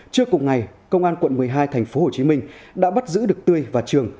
trước cùng ngày công an quận một mươi hai thành phố hồ chí minh đã bắt giữ được tươi và trường